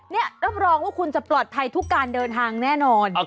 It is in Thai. นี่รับรองว่าคุณจะปลอดภัยทุกการเดินทางแน่นอน